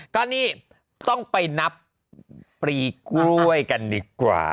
ก็นี่ต้องไปนับปรีกล้วยกันดีกว่า